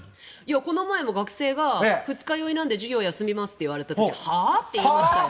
この前も学生が二日酔いなんで授業を休みますって言われた時はあ？って言いましたよ。